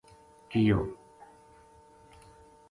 کیو